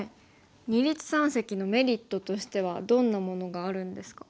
二立三析のメリットとしてはどんなものがあるんですか？